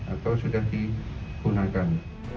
atau sudah digunakan